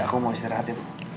aku mau istirahat ibu